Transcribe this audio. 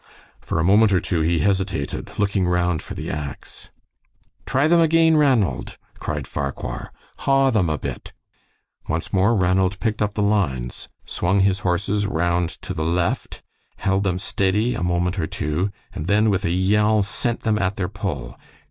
For a moment or two he hesitated, looking round for the ax. "Try them again, Ranald," cried Farquhar. "Haw them a bit." Once more Ranald picked up the lines, swung his horses round to the left, held them steady a moment or two, and then with a yell sent them at their pull.